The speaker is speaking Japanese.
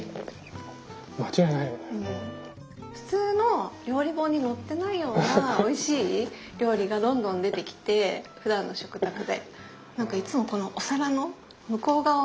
普通の料理本に載ってないようなおいしい料理がどんどん出てきてふだんの食卓で。